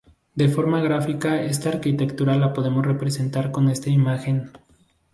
De forma gráfica esta arquitectura la podemos representar con esta imagen.